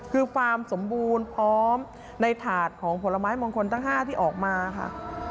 คือความสมบูรณ์พร้อมในถาดของผลไม้มงคลทั้ง๕ที่ออกมาค่ะ